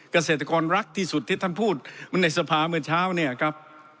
เกษตรกรรักที่สุดที่ท่านพูดในสภาเมื่อเช้าเนี่ยครับ